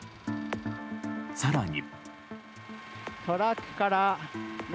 更に。